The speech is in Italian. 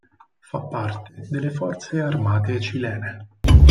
Fa parte delle Forze armate cilene.